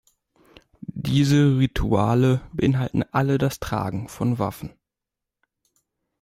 Diese Ritual- beinhalten alle das Tragen von Waffen.